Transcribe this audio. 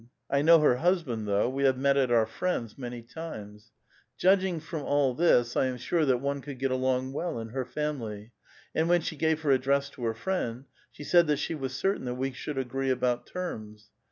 I know her husband though ; we have met at our friend's many times. Judging from all this, 1 am sure that one could get along well in her family ; and when she gave her address to her friend, she said that she was certain that we should agree about terms.